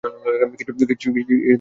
কিছুই তো টের পাচ্ছি না।